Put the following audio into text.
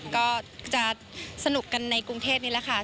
ก็จะสนุกกันในกรุงเทพนี่แหละค่ะ